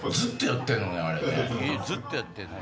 ずっとやってんのね